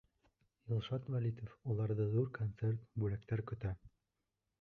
Илшат ВӘЛИТОВ, Уларҙы ҙур концерт, бүләктәр көтә.